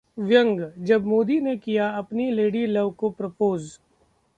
व्यंग्य: जब मोदी ने किया अपनी लेडी लव को प्रपोज